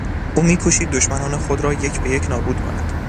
او می کوشید دشمنان خود را یک به یک نابود کند.